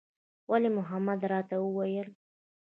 ولي محمد راته وويل.